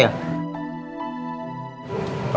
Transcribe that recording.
bayunya ada masalah ya